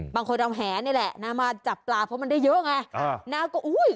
บางคนเอาแหนะแหละมาจับปลาเพราะมันได้เยอะไง